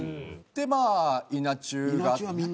まあ『稲中』があって。